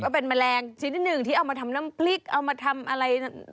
ก็เป็นแมลงชิ้นนึงที่เอามาทำน้ำพริกเอามาทำอะไร